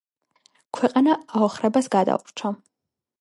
ქვეყანა აოხრებას გადაურჩა.